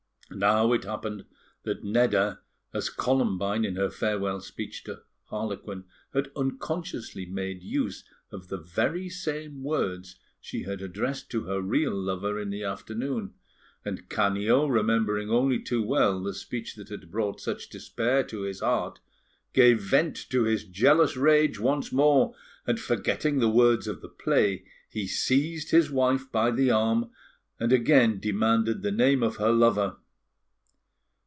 Now, it happened that Nedda, as Columbine, in her farewell speech to Harlequin, had unconsciously made use of the very same words she had addressed to her real lover in the afternoon; and Canio, remembering only too well the speech that had brought such despair to his heart, gave vent to his jealous rage once more, and, forgetting the words of the play, he seized his wife by the arm, and again demanded the name of her lover.